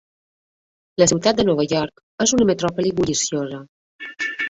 La ciutat de Nova York és una metròpolis bulliciosa.